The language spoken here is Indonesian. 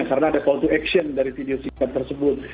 karena ada call to action dari video singkat tersebut